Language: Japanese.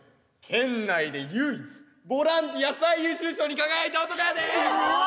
県内で唯一ボランティア最優秀賞に輝いた男やで！